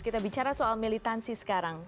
kita bicara soal militansi sekarang